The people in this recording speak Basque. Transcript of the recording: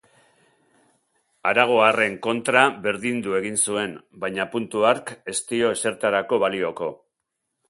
Aragoarren kontra berdindu egin zuen, baina puntu hark ez dio ezertarako balioko.